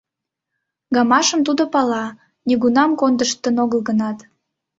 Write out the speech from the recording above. Гамашым тудо пала, нигунам кондыштын огыл гынат.